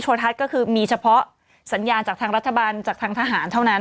ทัศน์ก็คือมีเฉพาะสัญญาณจากทางรัฐบาลจากทางทหารเท่านั้น